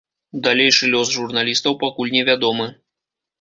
Далейшы лёс журналістаў пакуль невядомы.